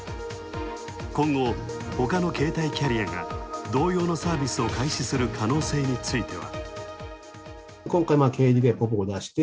今後ほかの携帯キャリアが同様のサービスを開始する可能性については。